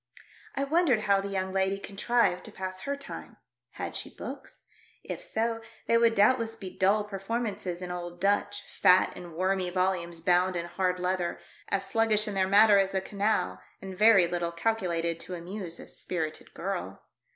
I wondered how the young lady contrived to pass her time. Had she books.'* If so, they would doubtless be dull performances in old Dutch, fat and wormy volumes bound in hard leather — as sluggish in their matter as a canal, and very little calculated to amuse a spirited girl.